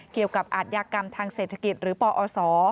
เกี่ยวกับอาธิกรรมทางเศรษฐกิจหรือปอศ